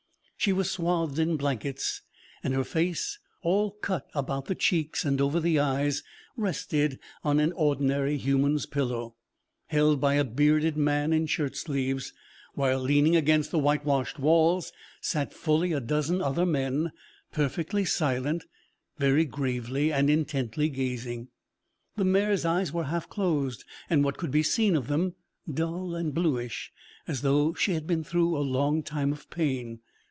She was swathed in blankets, and her face, all cut about the cheeks and over the eyes, rested on an ordinary human's pillow, held by a bearded man in shirt sleeves; while, leaning against the whitewashed walls, sat fully a dozen other men, perfectly silent, very gravely and intently gazing. The mare's eyes were half closed, and what could be seen of them dull and blueish, as though she had been through a long time of pain.